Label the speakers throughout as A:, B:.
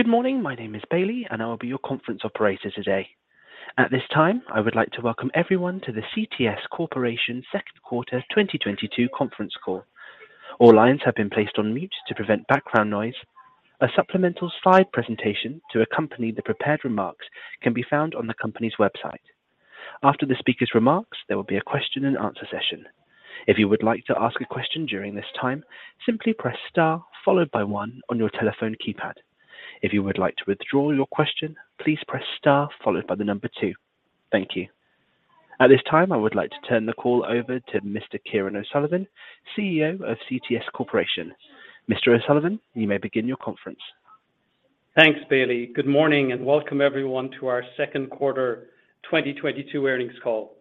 A: Good morning. My name is Bailey, and I will be your conference operator today. At this time, I would like to welcome everyone to the CTS Corporation Q2 2022 conference call. All lines have been placed on mute to prevent background noise. A supplemental slide presentation to accompany the prepared remarks can be found on the company's website. After the speaker's remarks, there will be a question and answer session. If you would like to ask a question during this time, simply press star followed by one on your telephone keypad. If you would like to withdraw your question, please press star followed by the number two. Thank you. At this time, I would like to turn the call over to Mr. Kieran O'Sullivan, CEO of CTS Corporation. Mr. O'Sullivan, you may begin your conference.
B: Thanks, Bailey. Good morning, and welcome everyone to our Q2 2022 earnings call.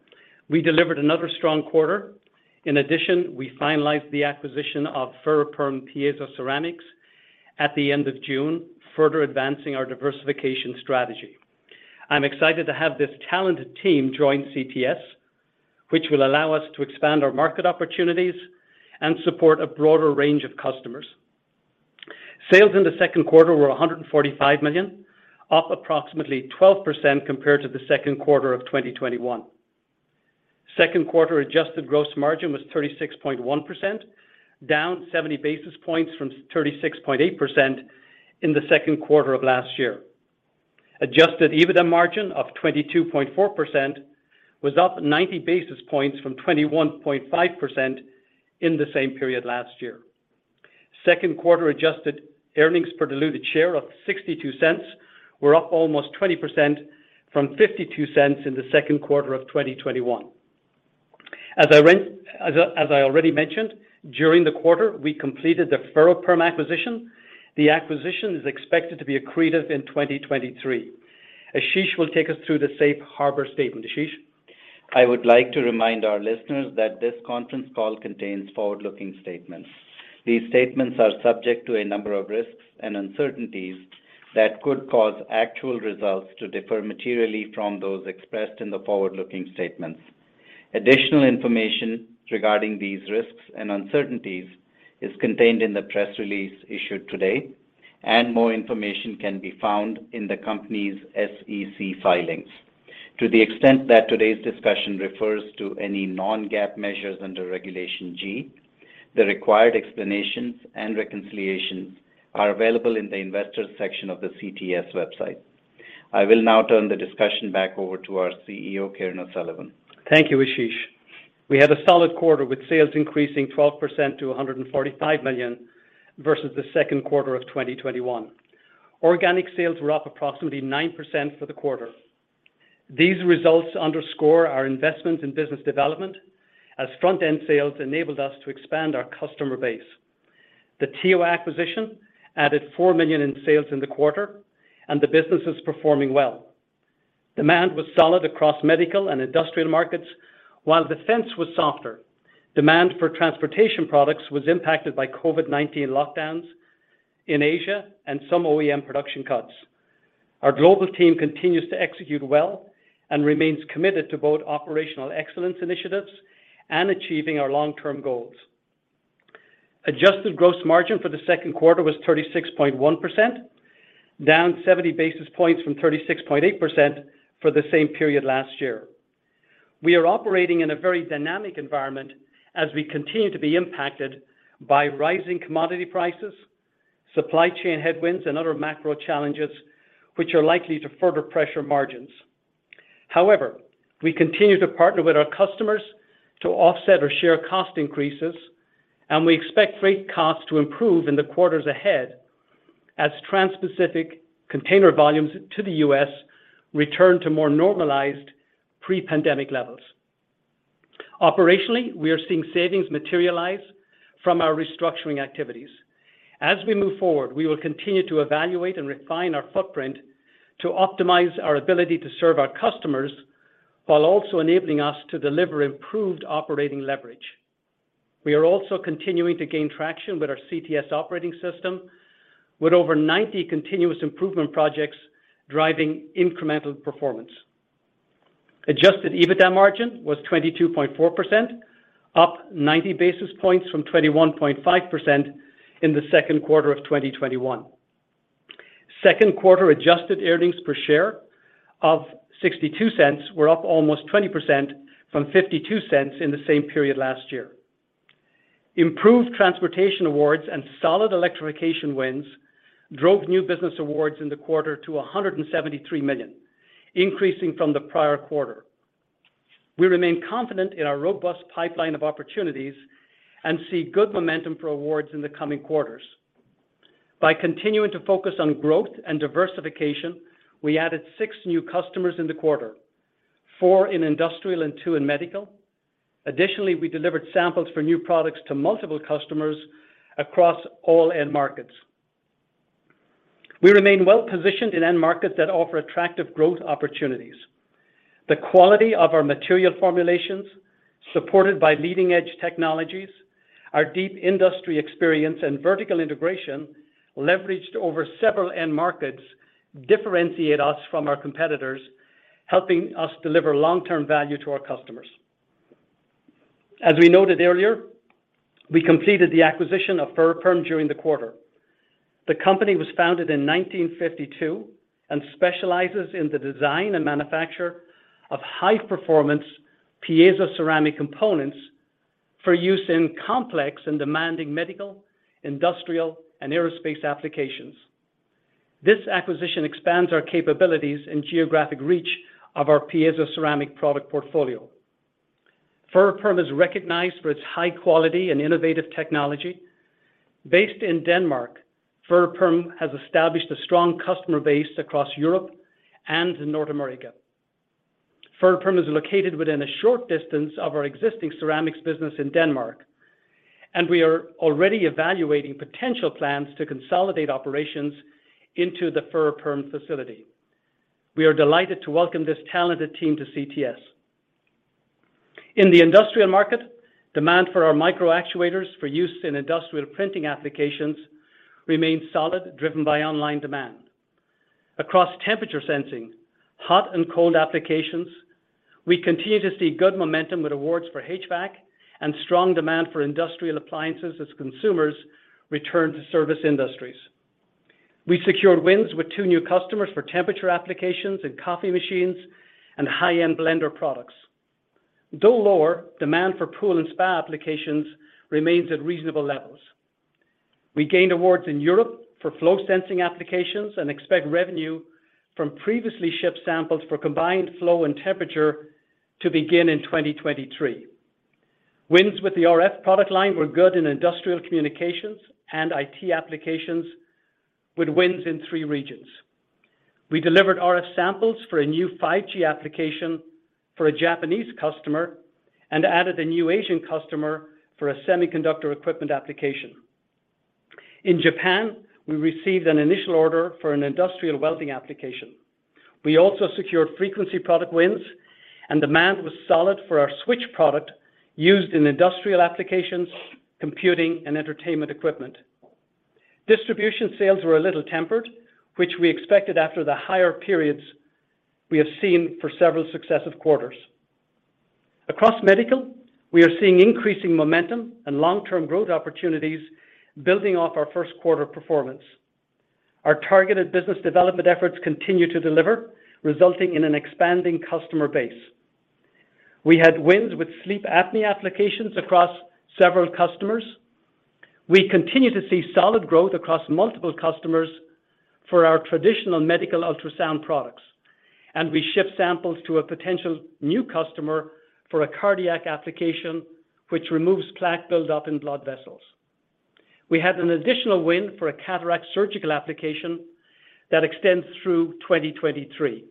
B: We delivered another strong quarter. In addition, we finalized the acquisition of Ferroperm Piezoceramics at the end of June, further advancing our diversification strategy. I'm excited to have this talented team join CTS, which will allow us to expand our market opportunities and support a broader range of customers. Sales in the Q2 were $145 million, up approximately 12% compared to the Q2 of 2021. Q2 adjusted gross margin was 36.1%, down 70 basis points from 36.8% in the Q2 of last year. Adjusted EBITDA margin of 22.4% was up 90 basis points from 21.5% in the same period last year. Q2 adjusted earnings per diluted share of $0.62 were up almost 20% from $0.52 in the Q2 of 2021. As I already mentioned, during the quarter, we completed the Ferroperm acquisition. The acquisition is expected to be accretive in 2023. Ashish will take us through the safe harbor statement. Ashish.
C: I would like to remind our listeners that this conference call contains forward-looking statements. These statements are subject to a number of risks and uncertainties that could cause actual results to differ materially from those expressed in the forward-looking statements. Additional information regarding these risks and uncertainties is contained in the press release issued today, and more information can be found in the company's SEC filings. To the extent that today's discussion refers to any non-GAAP measures under Regulation G, the required explanations and reconciliations are available in the Investors section of the CTS website. I will now turn the discussion back over to our CEO, Kieran O'Sullivan.
B: Thank you, Ashish. We had a solid quarter with sales increasing 12% to $145 million versus the Q2 of 2021. Organic sales were up approximately 9% for the quarter. These results underscore our investment in business development as front-end sales enabled us to expand our customer base. The QTI acquisition added $4 million in sales in the quarter, and the business is performing well. Demand was solid across medical and industrial markets while defense was softer. Demand for transportation products was impacted by COVID-19 lockdowns in Asia and some OEM production cuts. Our global team continues to execute well and remains committed to both operational excellence initiatives and achieving our long-term goals. Adjusted gross margin for the Q2 was 36.1%, down 70 basis points from 36.8% for the same period last year. We are operating in a very dynamic environment as we continue to be impacted by rising commodity prices, supply chain headwinds, and other macro challenges which are likely to further pressure margins. However, we continue to partner with our customers to offset or share cost increases, and we expect freight costs to improve in the quarters ahead as transpacific container volumes to the US return to more normalized pre-pandemic levels. Operationally, we are seeing savings materialize from our restructuring activities. As we move forward, we will continue to evaluate and refine our footprint to optimize our ability to serve our customers while also enabling us to deliver improved operating leverage. We are also continuing to gain traction with our CTS Operating System with over 90 continuous improvement projects driving incremental performance. Adjusted EBITDA margin was 22.4%, up 90 basis points from 21.5% in the Q2 of 2021. Q2 adjusted earnings per share of $0.62 were up almost 20% from $0.52 in the same period last year. Improved transportation awards and solid electrification wins drove new business awards in the quarter to $173 million, increasing from the prior quarter. We remain confident in our robust pipeline of opportunities and see good momentum for awards in the coming quarters. By continuing to focus on growth and diversification, we added 6 new customers in the quarter, 4 in industrial and 2 in medical. Additionally, we delivered samples for new products to multiple customers across all end markets. We remain well positioned in end markets that offer attractive growth opportunities. The quality of our material formulations, supported by leading-edge technologies, our deep industry experience and vertical integration leveraged over several end markets differentiate us from our competitors, helping us deliver long-term value to our customers. As we noted earlier, we completed the acquisition of Ferroperm during the quarter. The company was founded in 1952 and specializes in the design and manufacture of high-performance piezoceramic components for use in complex and demanding medical, industrial, and aerospace applications. This acquisition expands our capabilities and geographic reach of our piezoceramic product portfolio. Ferroperm is recognized for its high quality and innovative technology. Based in Denmark, Ferroperm has established a strong customer base across Europe and in North America. Ferroperm is located within a short distance of our existing ceramics business in Denmark, and we are already evaluating potential plans to consolidate operations into the Ferroperm facility. We are delighted to welcome this talented team to CTS. In the industrial market, demand for our micro actuators for use in industrial printing applications remains solid, driven by online demand. Across temperature sensing, hot and cold applications, we continue to see good momentum with awards for HVAC and strong demand for industrial appliances as consumers return to service industries. We secured wins with 2 new customers for temperature applications in coffee machines and high-end blender products. Though lower, demand for pool and spa applications remains at reasonable levels. We gained awards in Europe for flow sensing applications and expect revenue from previously shipped samples for combined flow and temperature to begin in 2023. Wins with the RF product line were good in industrial communications and IT applications with wins in 3 regions. We delivered RF samples for a new 5G application for a Japanese customer and added a new Asian customer for a semiconductor equipment application. In Japan, we received an initial order for an industrial welding application. We also secured RF product wins, and demand was solid for our switch product used in industrial applications, computing, and entertainment equipment. Distribution sales were a little tempered, which we expected after the higher periods we have seen for several successive quarters. Across medical, we are seeing increasing momentum and long-term growth opportunities building off our Q1 performance. Our targeted business development efforts continue to deliver, resulting in an expanding customer base. We had wins with sleep apnea applications across several customers. We continue to see solid growth across multiple customers for our traditional medical ultrasound products, and we ship samples to a potential new customer for a cardiac application which removes plaque buildup in blood vessels. We had an additional win for a cataract surgical application that extends through 2023.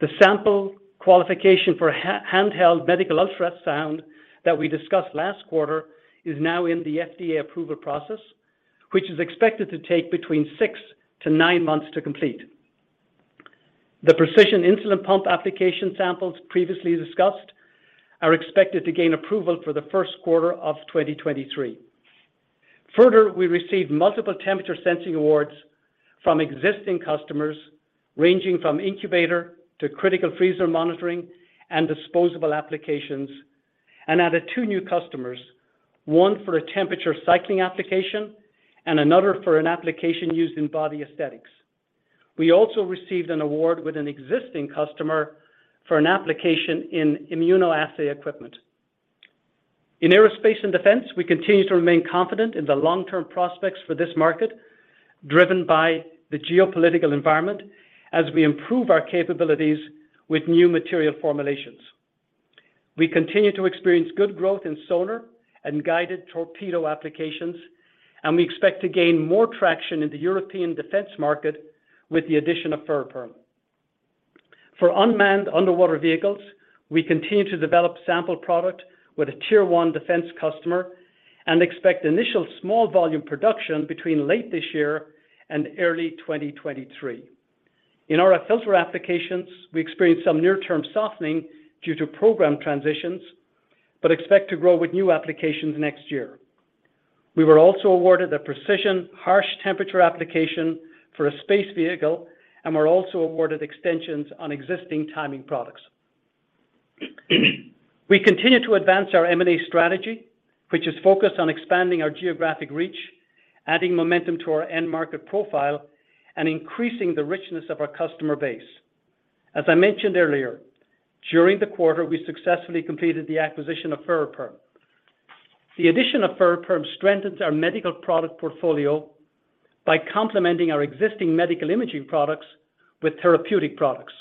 B: The sample qualification for handheld medical ultrasound that we discussed last quarter is now in the FDA approval process, which is expected to take 6-9 months to complete. The precision insulin pump application samples previously discussed are expected to gain approval for the Q1 of 2023. Further, we received multiple temperature sensing awards from existing customers, ranging from incubator to critical freezer monitoring and disposable applications, and added two new customers, one for a temperature cycling application and another for an application used in body aesthetics. We also received an award with an existing customer for an application in immunoassay equipment. In aerospace and defense, we continue to remain confident in the long-term prospects for this market, driven by the geopolitical environment as we improve our capabilities with new material formulations. We continue to experience good growth in sonar and guided torpedo applications, and we expect to gain more traction in the European defense market with the addition of Ferroperm. For unmanned underwater vehicles, we continue to develop sample product with a Tier One defense customer and expect initial small volume production between late this year and early 2023. In our filter applications, we experienced some near term softening due to program transitions, but expect to grow with new applications next year. We were also awarded a precision harsh temperature application for a space vehicle and were also awarded extensions on existing timing products. We continue to advance our M&A strategy, which is focused on expanding our geographic reach, adding momentum to our end market profile, and increasing the richness of our customer base. As I mentioned earlier, during the quarter, we successfully completed the acquisition of Ferroperm. The addition of Ferroperm strengthens our medical product portfolio by complementing our existing medical imaging products with therapeutic products.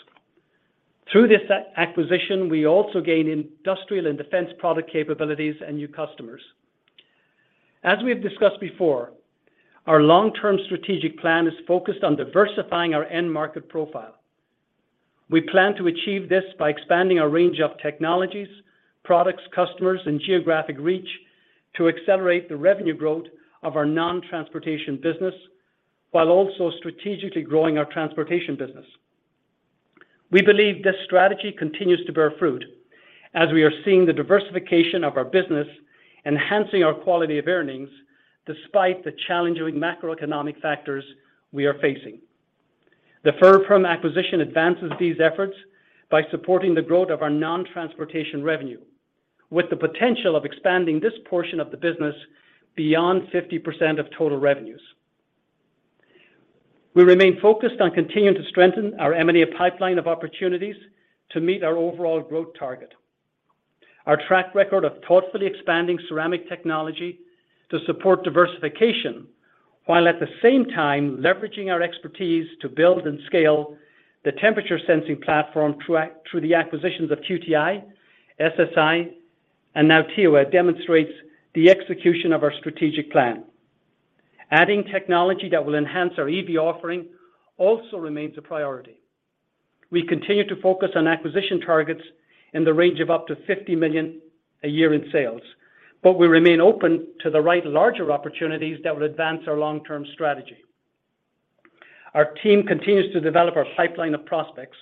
B: Through this acquisition, we also gain industrial and defense product capabilities and new customers. As we have discussed before, our long-term strategic plan is focused on diversifying our end market profile. We plan to achieve this by expanding our range of technologies, products, customers, and geographic reach to accelerate the revenue growth of our non-transportation business while also strategically growing our transportation business. We believe this strategy continues to bear fruit as we are seeing the diversification of our business enhancing our quality of earnings despite the challenging macroeconomic factors we are facing. The Ferroperm acquisition advances these efforts by supporting the growth of our non-transportation revenue, with the potential of expanding this portion of the business beyond 50% of total revenues. We remain focused on continuing to strengthen our M&A pipeline of opportunities to meet our overall growth target. Our track record of thoughtfully expanding ceramic technology to support diversification, while at the same time leveraging our expertise to build and scale the temperature sensing platform through the acquisitions of QTI, SSI, and now TEWA demonstrates the execution of our strategic plan. Adding technology that will enhance our EV offering also remains a priority. We continue to focus on acquisition targets in the range of up to $50 million a year in sales, but we remain open to the right larger opportunities that will advance our long-term strategy. Our team continues to develop our pipeline of prospects.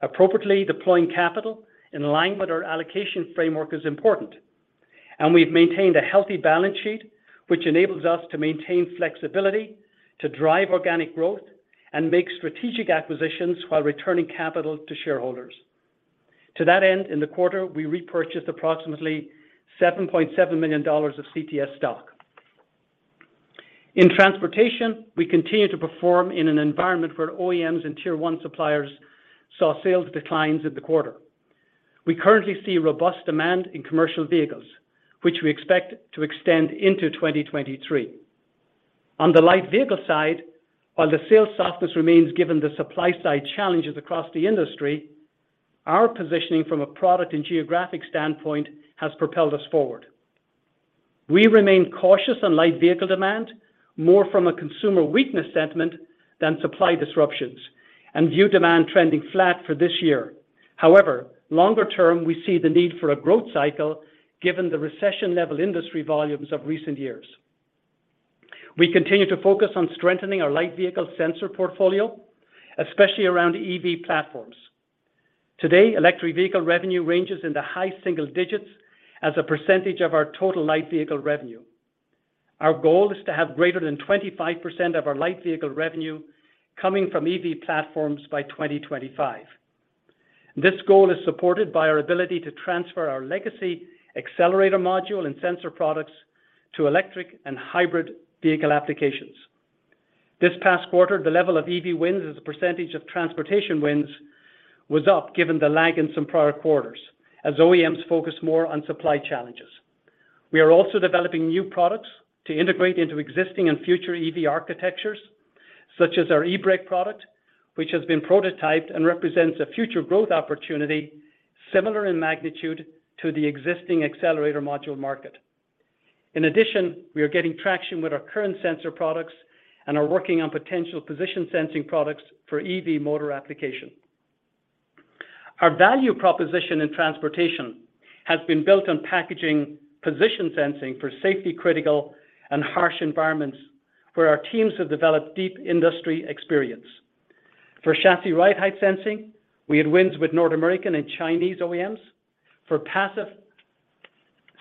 B: Appropriately deploying capital in line with our allocation framework is important, and we've maintained a healthy balance sheet, which enables us to maintain flexibility to drive organic growth and make strategic acquisitions while returning capital to shareholders. To that end, in the quarter, we repurchased approximately $7.7 million of CTS stock. In transportation, we continue to perform in an environment where OEMs and Tier One suppliers saw sales declines in the quarter. We currently see robust demand in commercial vehicles, which we expect to extend into 2023. On the light vehicle side, while the sales softness remains given the supply-side challenges across the industry, our positioning from a product and geographic standpoint has propelled us forward. We remain cautious on light vehicle demand more from a consumer weakness sentiment than supply disruptions and view demand trending flat for this year. However, longer-term, we see the need for a growth cycle given the recession-level industry volumes of recent years. We continue to focus on strengthening our light vehicle sensor portfolio, especially around EV platforms. Today, electric vehicle revenue ranges in the high single digits% of our total light vehicle revenue. Our goal is to have greater than 25% of our light vehicle revenue coming from EV platforms by 2025. This goal is supported by our ability to transfer our legacy accelerator module and sensor products to electric and hybrid vehicle applications. This past quarter, the level of EV wins as a percentage of transportation wins was up given the lag in some prior quarters as OEMs focus more on supply challenges. We are also developing new products to integrate into existing and future EV architectures, such as our eBrake product, which has been prototyped and represents a future growth opportunity similar in magnitude to the existing accelerator module market. In addition, we are getting traction with our current sensor products and are working on potential position sensing products for EV motor application. Our value proposition in transportation has been built on packaging position sensing for safety-critical and harsh environments where our teams have developed deep industry experience. For chassis ride height sensing, we had wins with North American and Chinese OEMs. For passive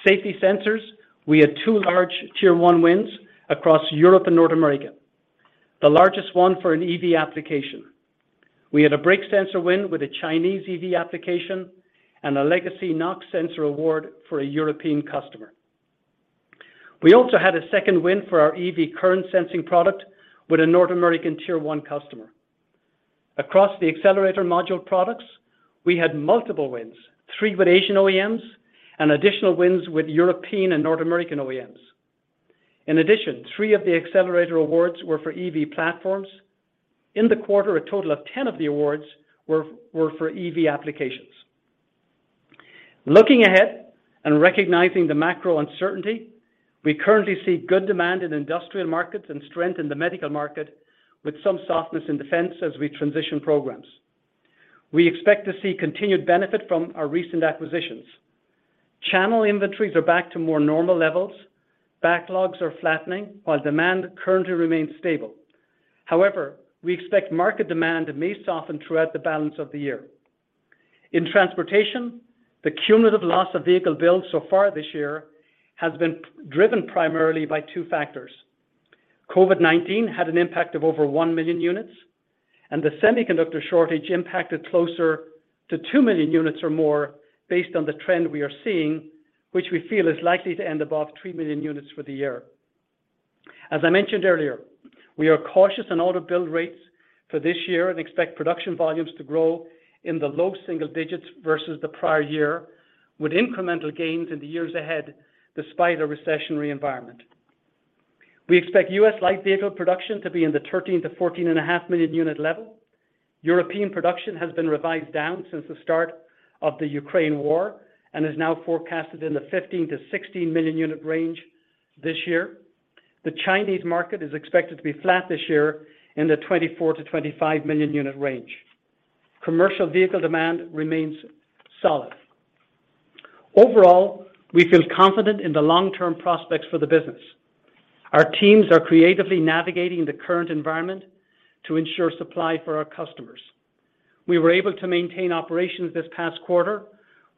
B: safety sensors, we had two large Tier One wins across Europe and North America, the largest one for an EV application. We had a brake sensor win with a Chinese EV application and a legacy NOx sensor award for a European customer. We also had a second win for our EV current sensing product with a North American Tier One customer. Across the accelerator module products, we had multiple wins, three with Asian OEMs and additional wins with European and North American OEMs. In addition, three of the accelerator awards were for EV platforms. In the quarter, a total of 10 of the awards were for EV applications. Looking ahead and recognizing the macro uncertainty, we currently see good demand in industrial markets and strength in the medical market with some softness in defense as we transition programs. We expect to see continued benefit from our recent acquisitions. Channel inventories are back to more normal levels. Backlogs are flattening while demand currently remains stable. However, we expect market demand may soften throughout the balance of the year. In transportation, the cumulative loss of vehicle builds so far this year has been driven primarily by two factors. COVID-19 had an impact of over 1 million units, and the semiconductor shortage impacted closer to 2 million units or more based on the trend we are seeing, which we feel is likely to end above 3 million units for the year. As I mentioned earlier, we are cautious on auto build rates for this year and expect production volumes to grow in the low single digits versus the prior year, with incremental gains in the years ahead despite a recessionary environment. We expect U.S. light vehicle production to be in the 13-14.5 million unit level. European production has been revised down since the start of the Ukraine war and is now forecasted in the 15-16 million unit range this year. The Chinese market is expected to be flat this year in the 24-25 million unit range. Commercial vehicle demand remains solid. Overall, we feel confident in the long-term prospects for the business. Our teams are creatively navigating the current environment to ensure supply for our customers. We were able to maintain operations this past quarter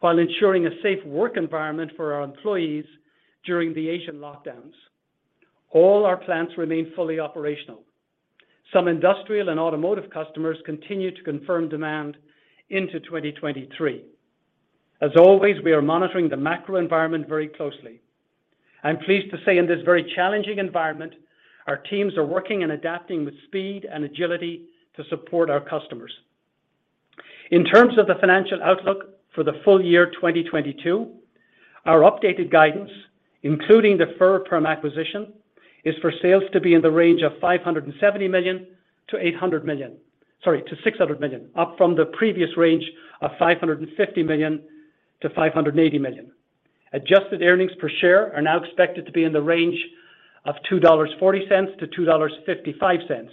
B: while ensuring a safe work environment for our employees during the Asian lockdowns. All our plants remain fully operational. Some industrial and automotive customers continue to confirm demand into 2023. As always, we are monitoring the macro environment very closely. I'm pleased to say in this very challenging environment, our teams are working and adapting with speed and agility to support our customers. In terms of the financial outlook for the full year 2022, our updated guidance, including the Ferroperm acquisition, is for sales to be in the range of $570 million-$800 million, sorry, to $600 million, up from the previous range of $550 million-$580 million. Adjusted earnings per share are now expected to be in the range of $2.40-$2.55,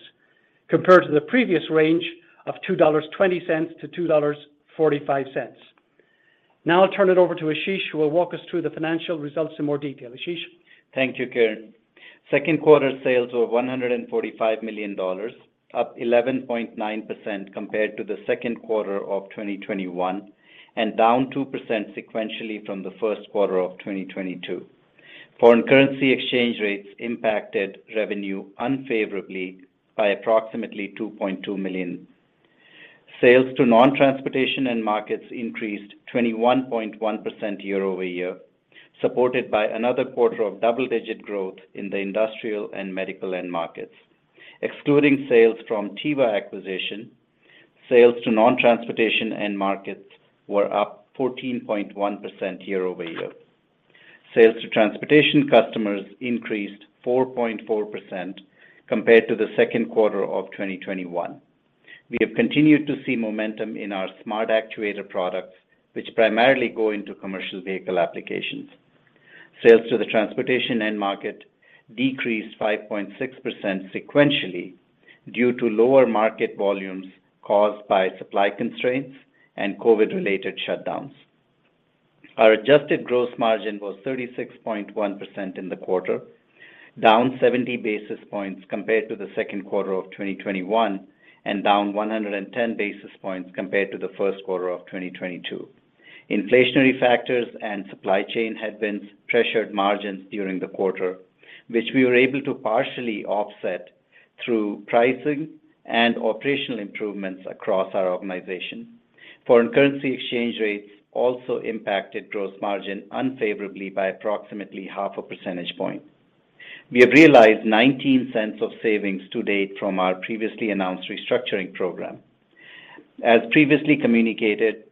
B: compared to the previous range of $2.20-$2.45. Now I'll turn it over to Ashish, who will walk us through the financial results in more detail. Ashish.
C: Thank you, Kieran. Q2 sales were $145 million, up 11.9% compared to the Q2 of 2021, and down 2% sequentially from the Q1 of 2022. Foreign currency exchange rates impacted revenue unfavorably by approximately $2.2 million. Sales to non-transportation end markets increased 21.1% year-over-year, supported by another quarter of double-digit growth in the industrial and medical end markets. Excluding sales from TEWA acquisition, sales to non-transportation end markets were up 14.1% year-over-year. Sales to transportation customers increased 4.4% compared to the Q2 of 2021. We have continued to see momentum in our Smart Actuators products, which primarily go into commercial vehicle applications. Sales to the transportation end market decreased 5.6% sequentially due to lower market volumes caused by supply constraints and COVID-related shutdowns. Our adjusted gross margin was 36.1% in the quarter, down 70 basis points compared to the Q2 of 2021, and down 110 basis points compared to the Q1 of 2022. Inflationary factors and supply chain headwinds pressured margins during the quarter, which we were able to partially offset through pricing and operational improvements across our organization. Foreign currency exchange rates also impacted gross margin unfavorably by approximately half a percentage point. We have realized $0.19 of savings to date from our previously announced restructuring program. As previously communicated,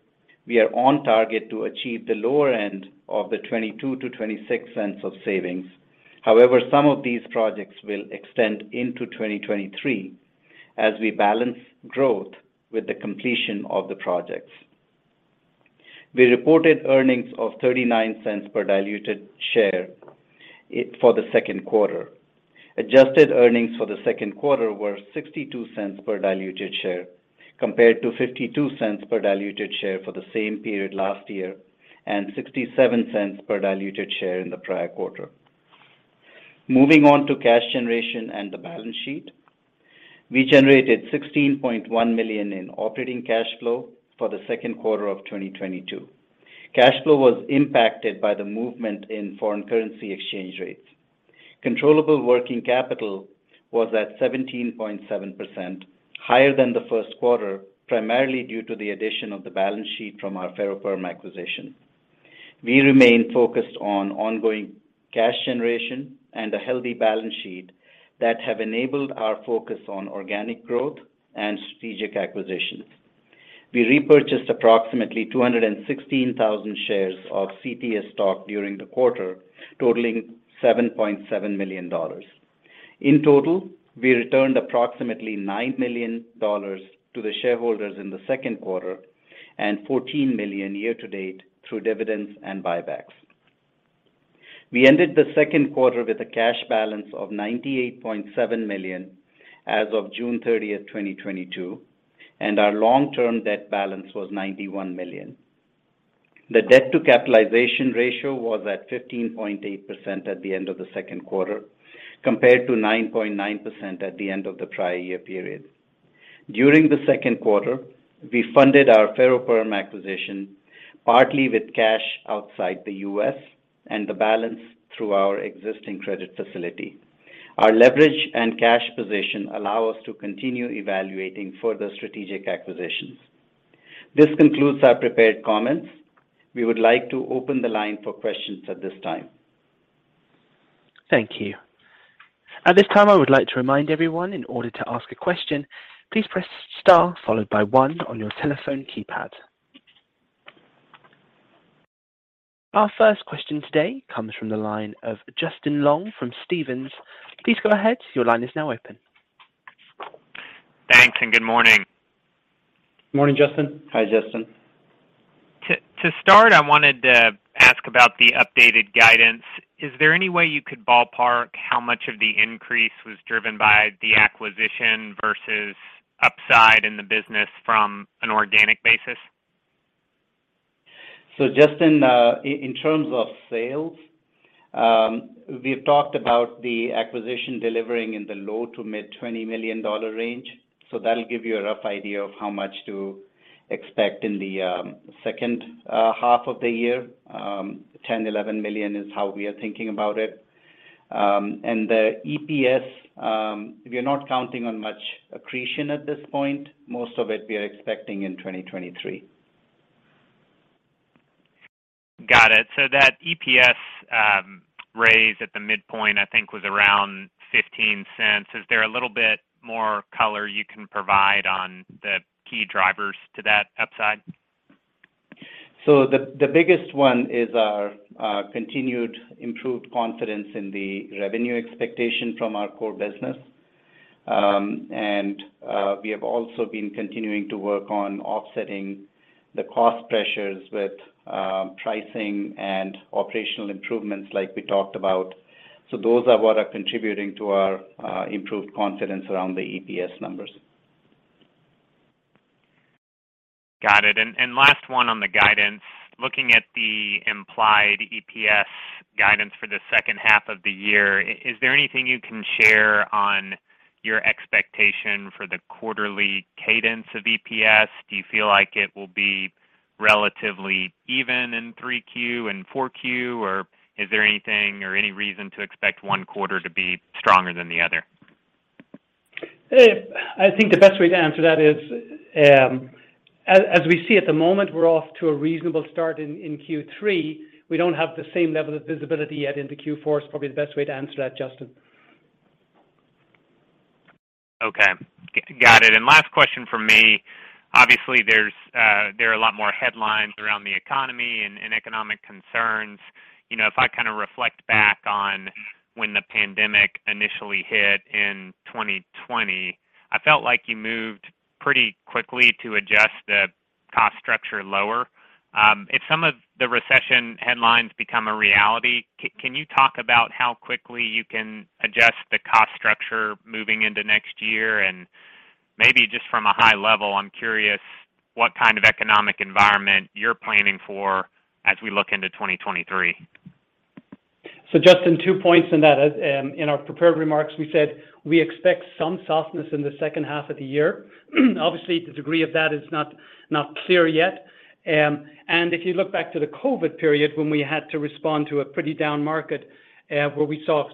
C: we are on target to achieve the lower end of the $0.22-$0.26 of savings. However, some of these projects will extend into 2023 as we balance growth with the completion of the projects. We reported earnings of $0.39 per diluted share for the Q2. Adjusted earnings for the Q2 were $0.62 per diluted share, compared to $0.52 per diluted share for the same period last year, and $0.67 per diluted share in the prior quarter. Moving on to cash generation and the balance sheet. We generated $16.1 million in operating cash flow for the Q2 of 2022. Cash flow was impacted by the movement in foreign currency exchange rates. Controllable working capital was at 17.7% higher than the Q1, primarily due to the addition of the balance sheet from our Ferroperm acquisition. We remain focused on ongoing cash generation and a healthy balance sheet that have enabled our focus on organic growth and strategic acquisitions. We repurchased approximately 216,000 shares of CTS stock during the quarter, totaling $7.7 million. In total, we returned approximately $9 million to the shareholders in the Q2 and $14 million year to date through dividends and buybacks. We ended the Q2 with a cash balance of $98.7 million as of June 30, 2022, and our long-term debt balance was $91 million. The debt to capitalization ratio was at 15.8% at the end of the Q2, compared to 9.9% at the end of the prior year period. During the Q2, we funded our Ferroperm acquisition partly with cash outside the U.S. and the balance through our existing credit facility. Our leverage and cash position allow us to continue evaluating further strategic acquisitions. This concludes our prepared comments. We would like to open the line for questions at this time.
A: Thank you. At this time, I would like to remind everyone in order to ask a question, please press star followed by one on your telephone keypad. Our first question today comes from the line of Justin Long from Stephens. Please go ahead. Your line is now open.
D: Thanks, and good morning.
B: Morning, Justin.
C: Hi, Justin.
D: To start, I wanted to ask about the updated guidance. Is there any way you could ballpark how much of the increase was driven by the acquisition versus upside in the business from an organic basis?
C: Justin, in terms of sales, we've talked about the acquisition delivering in the low- to mid-$20 million range. That'll give you a rough idea of how much to expect in the second half of the year. $10-$11 million is how we are thinking about it. The EPS, we are not counting on much accretion at this point. Most of it we are expecting in 2023.
D: Got it. That EPS raise at the midpoint, I think, was around $0.15. Is there a little bit more color you can provide on the key drivers to that upside?
C: The biggest one is our continued improved confidence in the revenue expectation from our core business. We have also been continuing to work on offsetting the cost pressures with pricing and operational improvements like we talked about. Those are what are contributing to our improved confidence around the EPS numbers.
D: Got it. Last one on the guidance. Looking at the implied EPS guidance for the second half of the year, is there anything you can share on your expectation for the quarterly cadence of EPS? Do you feel like it will be relatively even in 3Q and 4Q, or is there anything or any reason to expect one quarter to be stronger than the other?
B: I think the best way to answer that is, as we see at the moment, we're off to a reasonable start in Q3. We don't have the same level of visibility yet into Q4 is probably the best way to answer that, Justin.
D: Okay. Got it. Last question from me. Obviously, there are a lot more headlines around the economy and economic concerns. You know, if I kind of reflect back on when the pandemic initially hit in 2020, I felt like you moved pretty quickly to adjust the cost structure lower. If some of the recession headlines become a reality, can you talk about how quickly you can adjust the cost structure moving into next year? Maybe just from a high level, I'm curious what kind of economic environment you're planning for as we look into 2023.
B: Justin, two points in that. In our prepared remarks, we said we expect some softness in the second half of the year. Obviously, the degree of that is not clear yet. If you look back to the COVID period when we had to respond to a pretty down market, where we saw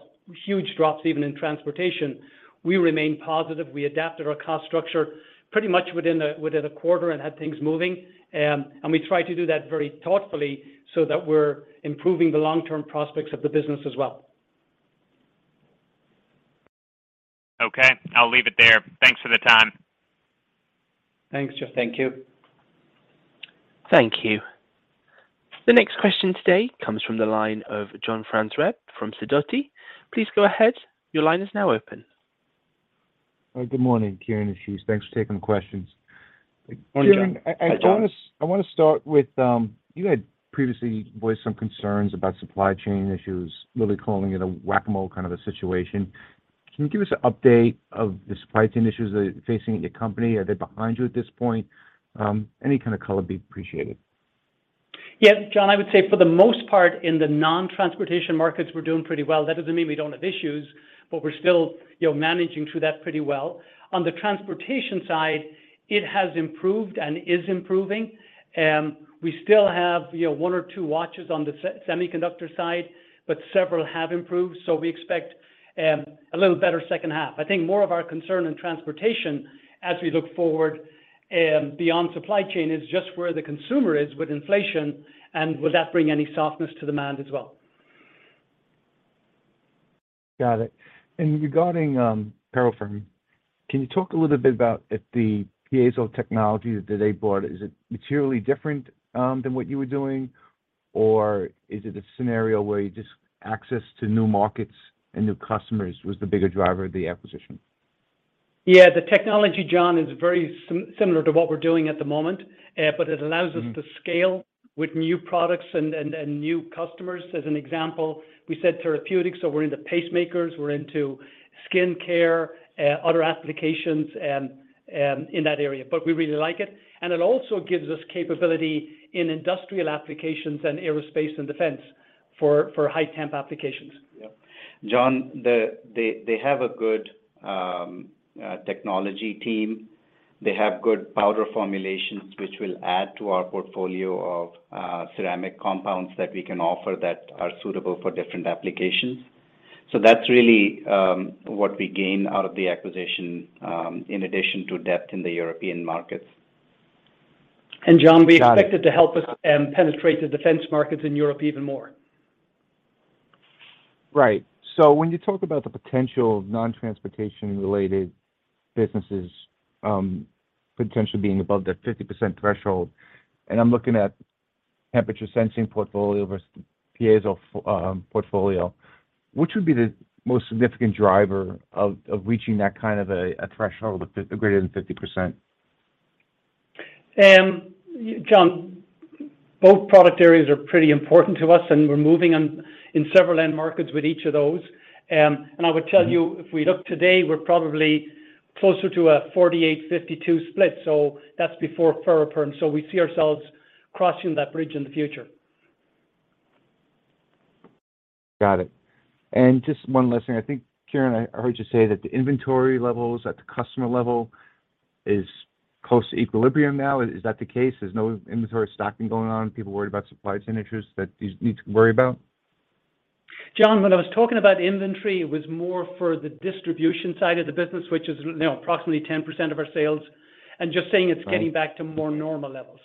B: huge drops even in transportation, we remained positive. We adapted our cost structure pretty much within a quarter and had things moving. We tried to do that very thoughtfully so that we're improving the long-term prospects of the business as well.
D: Okay. I'll leave it there. Thanks for the time.
B: Thanks, Justin.
C: Thank you.
A: Thank you. The next question today comes from the line of John Franzreb from Sidoti. Please go ahead. Your line is now open.
E: Good morning, Kieran and Ashish. Thanks for taking the questions.
B: Morning, John.
C: Hi, John.
E: Kieran, I want to start with, you had previously voiced some concerns about supply chain issues, really calling it a whack-a-mole kind of a situation. Can you give us an update on the supply chain issues that are facing your company? Are they behind you at this point? Any kind of color will be appreciated.
B: Yeah. John, I would say for the most part, in the non-transportation markets, we're doing pretty well. That doesn't mean we don't have issues, but we're still, you know, managing through that pretty well. On the transportation side, it has improved and is improving. We still have, you know, one or two watches on the semiconductor side, but several have improved. We expect a little better second half. I think more of our concern in transportation as we look forward beyond supply chain is just where the consumer is with inflation, and will that bring any softness to demand as well.
E: Got it. Regarding Ferroperm, can you talk a little bit about if the piezo technology that they bought is materially different than what you were doing? Is it a scenario where you just access to new markets and new customers was the bigger driver of the acquisition?
B: Yeah. The technology, John, is very similar to what we're doing at the moment, but it allows us to scale with new products and new customers. As an example, we said therapeutics, so we're into pacemakers, we're into skincare, other applications, in that area. But we really like it. It also gives us capability in industrial applications and aerospace and defense for high temp applications.
C: Yeah. John, they have a good technology team. They have good powder formulations which will add to our portfolio of ceramic compounds that we can offer that are suitable for different applications. That's really what we gain out of the acquisition in addition to depth in the European markets.
B: John-
E: Got it.
B: We expect it to help us penetrate the defense markets in Europe even more.
E: Right. When you talk about the potential of non-transportation related businesses, potentially being above that 50% threshold, and I'm looking at temperature sensing portfolio versus Piezo portfolio, which would be the most significant driver of reaching that kind of a threshold of greater than 50%?
B: John, both product areas are pretty important to us, and we're moving on in several end markets with each of those. I would tell you, if we look today, we're probably closer to a 48-52 split, so that's before Ferroperm. We see ourselves crossing that bridge in the future.
E: Got it. Just one last thing. I think, Kieran, I heard you say that the inventory levels at the customer level is close to equilibrium now. Is that the case? There's no inventory stocking going on, people worried about supply chain issues that you need to worry about?
B: John, when I was talking about inventory, it was more for the distribution side of the business, which is now approximately 10% of our sales, and just saying it's.
E: Right
B: getting back to more normal levels.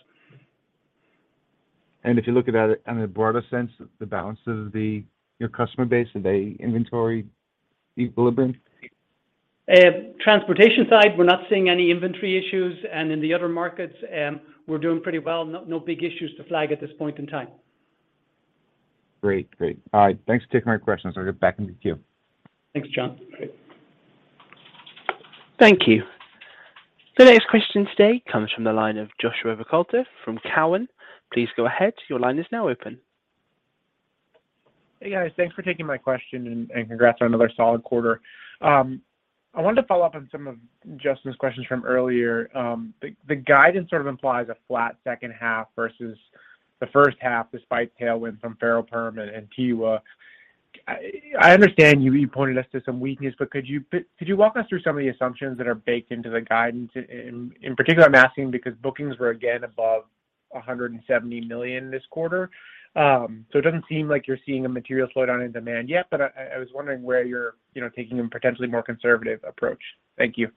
E: If you look at it in a broader sense, the balance of your customer base, are they inventory equilibrium?
B: Transportation side, we're not seeing any inventory issues. In the other markets, we're doing pretty well. No big issues to flag at this point in time.
E: Great. All right. Thanks for taking my questions. I'll get back in the queue.
B: Thanks, John.
E: Great.
A: Thank you. The next question today comes from the line of Josh Bukauskas from Cowen. Please go ahead. Your line is now open.
F: Hey, guys. Thanks for taking my question and congrats on another solid quarter. I wanted to follow up on some of Justin's questions from earlier. The guidance sort of implies a flat second half versus the first half despite tailwind from Ferroperm and TEWA. I understand you pointed us to some weakness, but could you walk us through some of the assumptions that are baked into the guidance? In particular, I'm asking because bookings were again above $170 million this quarter. So it doesn't seem like you're seeing a material slowdown in demand yet, but I was wondering where you're taking a potentially more conservative approach. Thank you.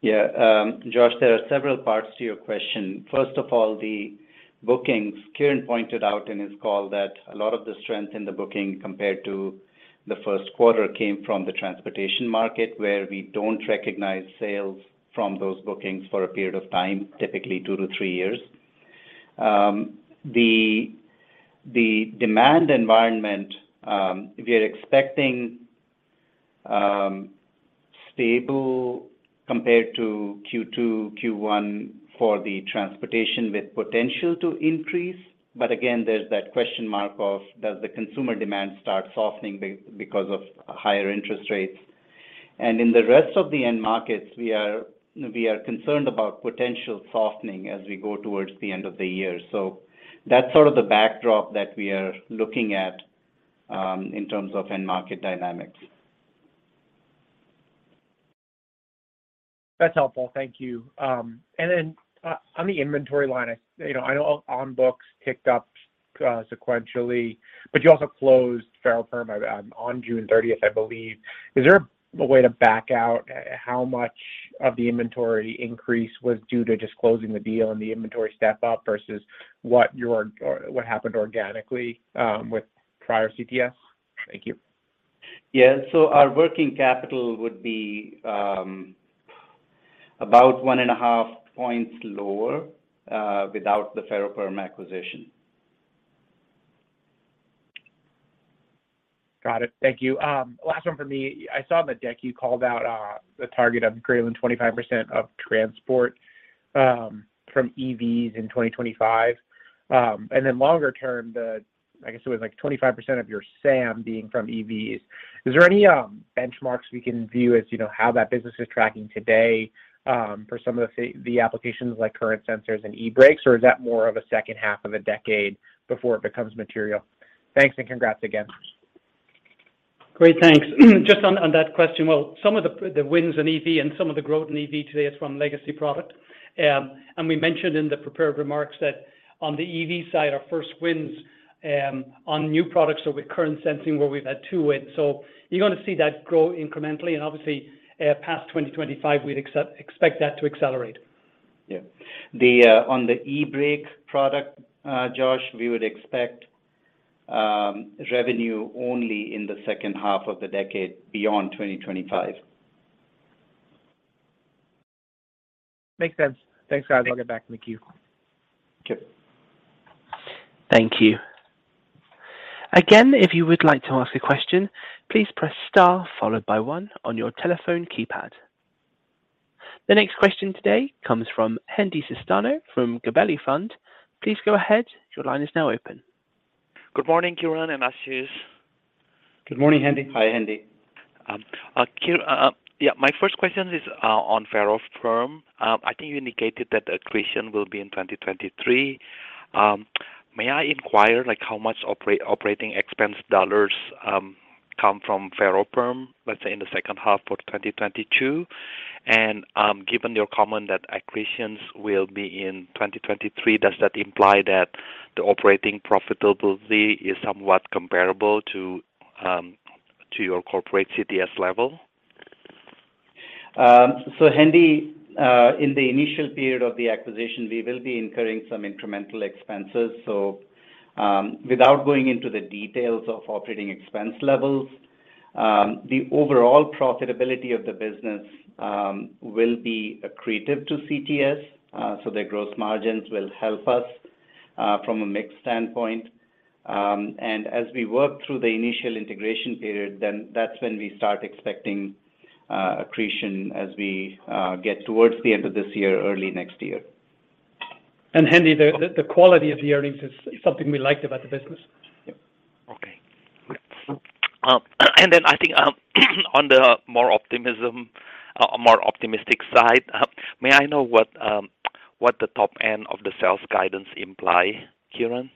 C: Yeah. Josh, there are several parts to your question. First of all, the bookings. Kieran pointed out in his call that a lot of the strength in the booking compared to the Q1 came from the transportation market, where we don't recognize sales from those bookings for a period of time, typically 2-3 years. The demand environment, we are expecting stable compared to Q2, Q1 for the transportation with potential to increase. But again, there's that question mark of does the consumer demand start softening because of higher interest rates? In the rest of the end markets, we are concerned about potential softening as we go towards the end of the year. That's sort of the backdrop that we are looking at in terms of end market dynamics.
F: That's helpful. Thank you. On the inventory line, you know, I know on books ticked up sequentially, but you also closed Ferroperm on June thirtieth, I believe. Is there a way to back out how much of the inventory increase was due to just closing the deal and the inventory step-up versus or what happened organically with prior CTS? Thank you.
C: Yeah. Our working capital would be about 1.5 points lower without the Ferroperm acquisition.
F: Got it. Thank you. Last one for me. I saw on the deck you called out the target of greater than 25% of transportation from EVs in 2025. Then longer term, I guess it was like 25% of your SAM being from EVs. Is there any benchmarks we can view as, you know, how that business is tracking today for some of the applications like current sensors and eBrakes, or is that more of a second half of a decade before it becomes material? Thanks and congrats again.
B: Great, thanks. Just on that question. Well, some of the wins in EV and some of the growth in EV today is from legacy product. We mentioned in the prepared remarks that on the EV side, our first wins on new products are with current sensing, where we've had two wins. You're going to see that grow incrementally. Obviously, past 2025, we'd expect that to accelerate.
C: Yeah. On the eBrake™ product, Josh, we would expect revenue only in the second half of the decade beyond 2025.
F: Makes sense. Thanks, guys.
C: Thank you.
F: I'll get back in the queue.
C: Sure.
A: Thank you. Again, if you would like to ask a question, please press star followed by one on your telephone keypad. The next question today comes from Hendi Susanto from Gabelli Funds. Please go ahead. Your line is now open.
G: Good morning, Kieran and Ashish.
C: Good morning, Hendi.
B: Hi, Hendi.
G: My first question is on Ferroperm. I think you indicated that accretion will be in 2023. May I inquire like how much operating expense dollars come from Ferroperm, let's say in the second half of 2022? Given your comment that accretions will be in 2023, does that imply that the operating profitability is somewhat comparable to your corporate CTS level?
C: Hendi, in the initial period of the acquisition, we will be incurring some incremental expenses. Without going into the details of operating expense levels, the overall profitability of the business will be accretive to CTS, so their gross margins will help us from a mix standpoint. As we work through the initial integration period, that's when we start expecting accretion as we get towards the end of this year, early next year.
B: Hendi, the quality of the earnings is something we liked about the business.
C: Yeah.
G: I think, on the more optimistic side, what does the top end of the sales guidance imply, Kieran?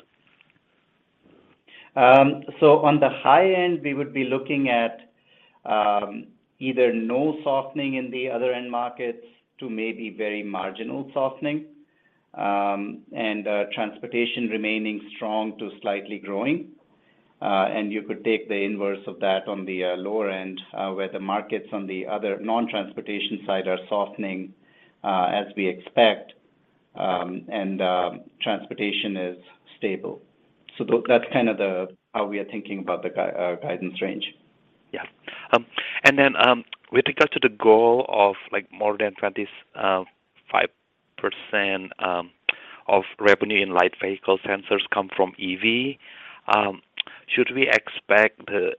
C: On the high end, we would be looking at either no softening in the other end markets to maybe very marginal softening. Transportation remaining strong to slightly growing. You could take the inverse of that on the lower end, where the markets on the other non-transportation side are softening, as we expect, and transportation is stable. That's kind of how we are thinking about the guidance range.
G: Yeah. With regard to the goal of, like, more than 25% of revenue in light vehicle sensors come from EV, should we expect the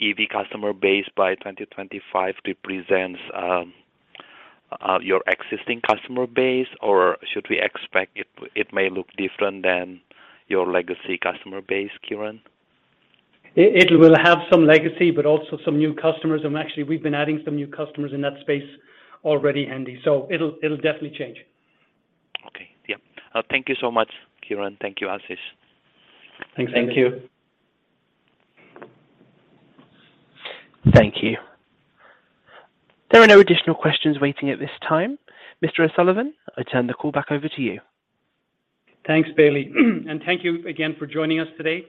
G: EV customer base by 2025 represents your existing customer base? Or should we expect it may look different than your legacy customer base, Kieran?
B: It will have some legacy, but also some new customers. Actually we've been adding some new customers in that space already, Hendi Susanto, so it'll definitely change.
G: Okay. Yeah. Thank you so much, Kieran. Thank you, Ashish.
C: Thanks, Hendi Susanto.
B: Thank you.
H: Thank you. There are no additional questions waiting at this time. Mr. O'Sullivan, I turn the call back over to you.
B: Thanks, Bailey. Thank you again for joining us today.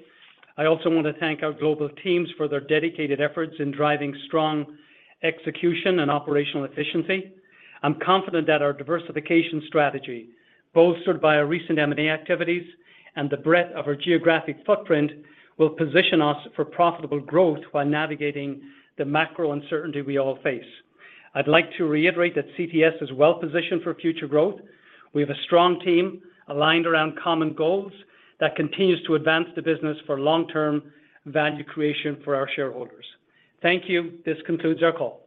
B: I also want to thank our global teams for their dedicated efforts in driving strong execution and operational efficiency. I'm confident that our diversification strategy, bolstered by our recent M&A activities and the breadth of our geographic footprint, will position us for profitable growth while navigating the macro uncertainty we all face. I'd like to reiterate that CTS is well positioned for future growth. We have a strong team aligned around common goals that continues to advance the business for long-term value creation for our shareholders. Thank you. This concludes our call.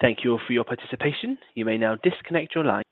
H: Thank you all for your participation. You may now disconnect your line.